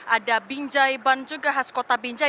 ada bingjai bun juga khas kota bingjai